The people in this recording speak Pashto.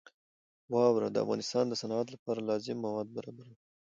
واوره د افغانستان د صنعت لپاره لازم مواد برابروي.